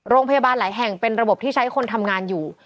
โรงพยาบาลหลายแห่งเป็นระบบที่ใช้คนทำงานอยู่